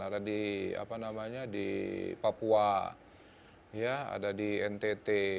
ada di papua ada di ntt